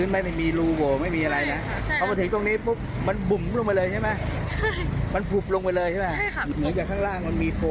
มันมีโพง